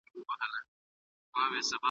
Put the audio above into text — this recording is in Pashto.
خپل ځان له ډېرو غوړو وساتئ.